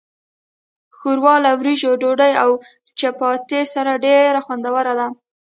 ښوروا له وریژو، ډوډۍ، او چپاتي سره خوندوره ده.